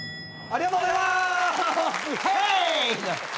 ありがとうございます！